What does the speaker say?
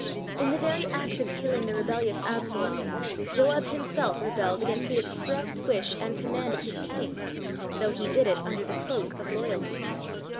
In the very act of killing the rebellious Absalom Joab himself rebelled against the expressed wish and command of his king, though he did it under the cloak of loyalty.